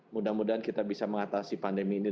mudah mudahan kita bisa mengatasi pandemi ini